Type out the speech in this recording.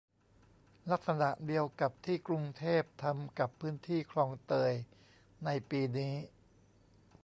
ลักษณะเดียวกับที่กรุงเทพทำกับพื้นที่คลองเตยในปีนี้